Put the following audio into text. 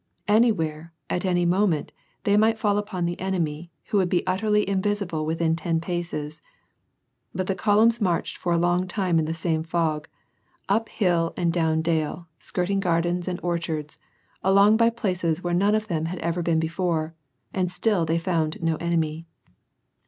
Anywhere, at any moment, they might fall upon the enemy, who would be utterly invisible within ten paces. But the columns marched for a long time in the same fog, up hill and down dale, skirting gardens and orchards, along by places where none of them had ever been before, and still they found no enemy.